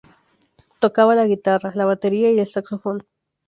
Tocaba la guitarra, la batería y el saxofón.